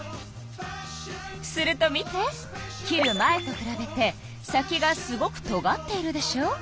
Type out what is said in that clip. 切る前とくらべて先がすごくとがっているでしょ。